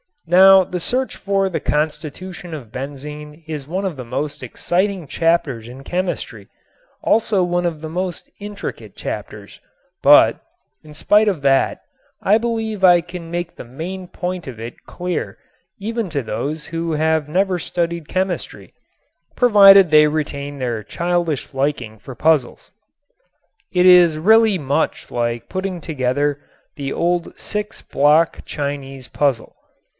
Now the search for the constitution of benzene is one of the most exciting chapters in chemistry; also one of the most intricate chapters, but, in spite of that, I believe I can make the main point of it clear even to those who have never studied chemistry provided they retain their childish liking for puzzles. It is really much like putting together the old six block Chinese puzzle.